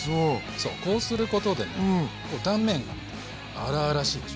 そうこうすることでね断面が荒々しいでしょ？